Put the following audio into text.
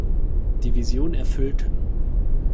Division erfüllten.